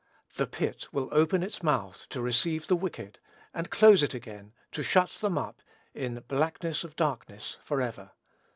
"The pit" will open its mouth to receive the wicked, and close it again, to shut them up in "blackness of darkness forever."